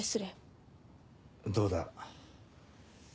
どうだ？